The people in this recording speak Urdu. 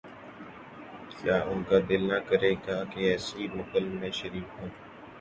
کیا ان کا دل نہ کرے گا کہ ایسی محفل میں شریک ہوں۔